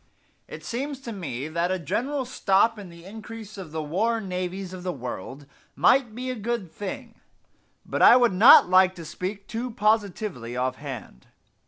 It seems to me that a general stop in the increase of the war navies of the world might be a good thing; but I would not like to speak too positively offhand.